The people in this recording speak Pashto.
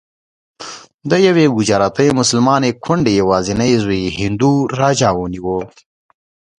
د یوې ګجراتي مسلمانې کونډې یوازینی زوی هندو راجا ونیو.